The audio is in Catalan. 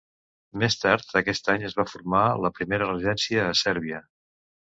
Més tard, aquest any es va formar "la primera regència" a Sèrbia.